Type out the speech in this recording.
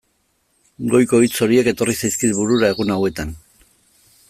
Goiko hitz horiek etorri zaizkit burura egun hauetan.